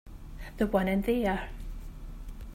The one in there.